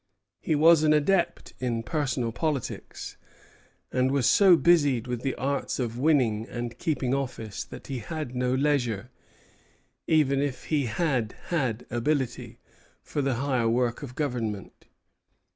He was an adept in personal politics, and was so busied with the arts of winning and keeping office that he had no leisure, even if he had had ability, for the higher work of government.